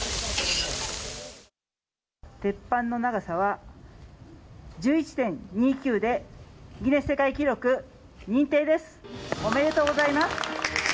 鉄板の長さは、１１．２９で、ギネス世界記録認定です。